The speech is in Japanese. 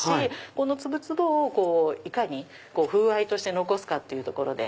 この粒々をいかに風合いとして残すかっていうところで。